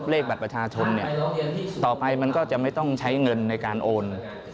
เลขบัตรประชาชนเนี่ยต่อไปมันก็จะไม่ต้องใช้เงินในการโอน